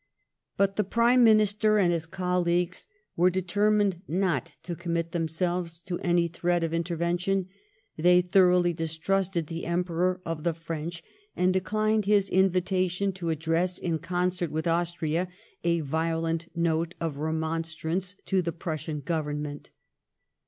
But the Prime Minister and his colleagues were determined DQt to commit themselves to any threat of intervention. They thoroughly distrusted the Emperor of the French, and declined his invitation to address, in concert with Austria, a violent note of remonstrance to the Prussian Government.